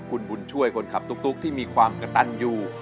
คุณบุญช่วยคนขับตุ๊กที่มีความกระตันอยู่